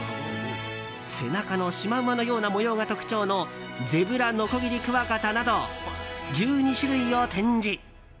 背中のシマウマのような模様が特徴のゼブラノコギリクワガタなど１２種類を展示。